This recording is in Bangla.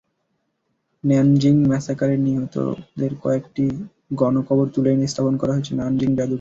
নানজিং ম্যাসাকারে নিহতদের কয়েকটি গণকবর তুলে এনে স্থাপন করা হয়েছে নানজিং জাদুঘরে।